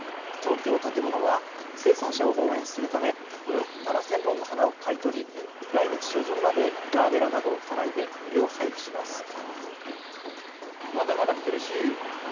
東京建物は生産者を応援するためおよそ７０００本の花を買い取り来月初旬までガーベラなどを都内で無料配布します。